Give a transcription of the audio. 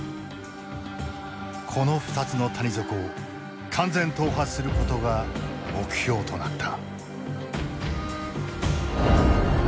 この２つの谷底を完全踏破することが目標となった。